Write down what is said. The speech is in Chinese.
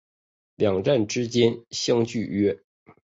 两站之间相距约。